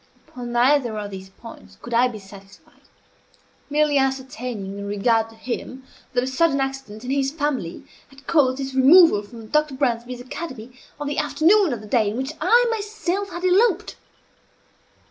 Upon neither of these points could I be satisfied merely ascertaining, in regard to him, that a sudden accident in his family had caused his removal from Dr. Bransby's academy on the afternoon of the day in which I myself had eloped.